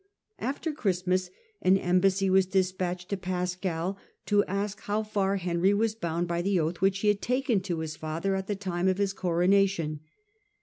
After Christmas an embassy was de spatched to Pascal, to ask how far Henry was bound by the oath which he had taken to his father at the time of his coronation.